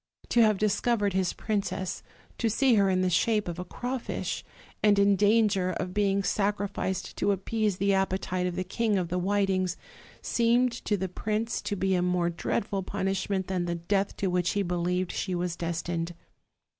To have discovered his princess, to see her in the shape of a crawfish, and in danger of being sacrificed to appease the appetite of the King of the Whitings, seemed to the prince to be a mor.e dreadful punishment than the death to which he believed she was destined.